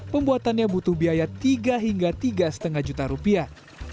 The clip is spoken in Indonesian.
pembuatannya butuh biaya tiga hingga tiga lima juta rupiah